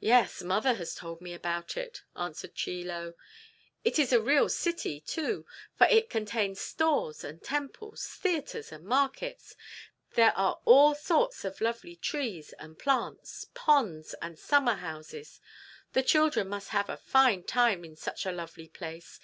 "Yes, mother has told me about it," answered Chie Lo. "It is a real city, too, for it contains stores and temples, theatres and markets. There are all sorts of lovely trees and plants, ponds and summer houses. The children must have a fine time in such a lovely place.